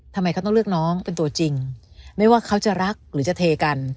ทำไมเขาต้องเลือกน้องเป็นตัวจริงไม่ว่าเขาจะรักหรือจะเทกัน